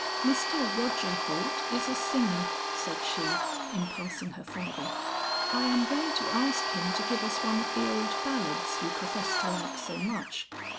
"'Mr. Roger Holt is a singer,' said she in passing her father, 'I am going to ask him to give us one of the old ballads you profess to like so much.'